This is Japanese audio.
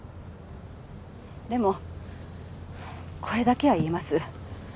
でもこれだけは言えます。